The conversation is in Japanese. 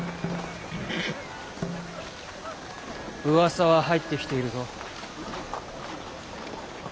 うわさは入ってきているぞ。